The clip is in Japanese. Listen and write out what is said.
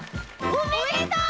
おめでとう！